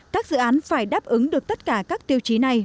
các dự án phải đáp ứng được tất cả các tiêu chí này